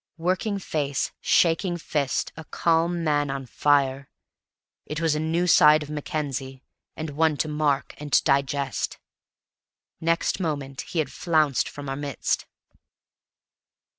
Working face shaking fist a calm man on fire. It was a new side of Mackenzie, and one to mark and to digest. Next moment he had flounced from our midst.